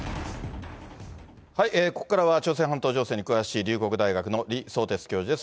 ここからは朝鮮半島情勢に詳しい、龍谷大学の李相哲教授です。